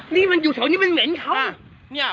หลังป่าอะไรอยู่แถวนี้มันเหม็นเขา